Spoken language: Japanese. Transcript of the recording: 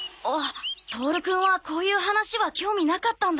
トオルくんはこういう話は興味なかったんだよね。